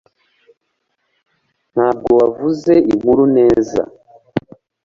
Ntabwo wavuze inkuru neza